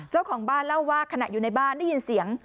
เจ้าของบ้านเล่าว่าขณะอยู่ในบ้านได้ยินเสียง